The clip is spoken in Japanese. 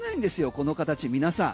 この形、皆さん。